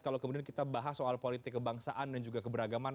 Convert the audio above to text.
kalau kemudian kita bahas soal politik kebangsaan dan juga keberagaman